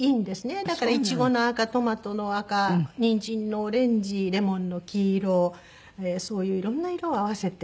だからイチゴの赤トマトの赤ニンジンのオレンジレモンの黄色そういういろんな色を合わせて。